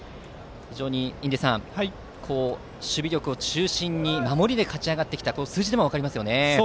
非常に印出さん、守備力を中心に守りで勝ち上がってきたと数字でも分かりますよね。